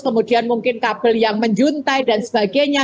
kemudian mungkin kabel yang menjuntai dan sebagainya